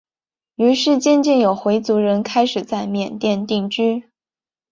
于是渐渐有回族人开始在缅甸定居。